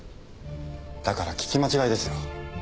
だから聞き間違いですよ。